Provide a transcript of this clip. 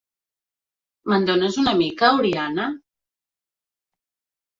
Me'n dones una mica, Oriana?